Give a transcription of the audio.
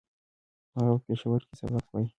هغه په پېښور کې سبق وايي